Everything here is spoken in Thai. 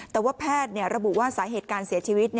แต่ว่าแพทย์ระบุว่าสาเหตุการเสียชีวิต